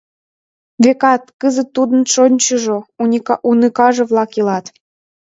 Векат, кызыт тудын шочшыжо, уныкаже-влак илат.